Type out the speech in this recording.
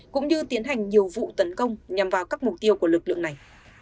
cũng như tiến hành nhiều vụ tấn công nhằm vào các mục tiêu của lực lượng này